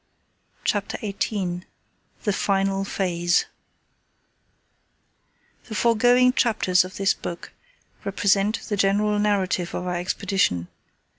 CHAPTER XVIII THE FINAL PHASE The foregoing chapters of this book represent the general narrative of our Expedition.